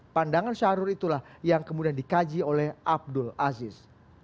pandangan syahrul itulah yang kemudian dikaji oleh abdul aziz